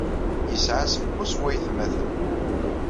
Yesɛa semmus waytmaten.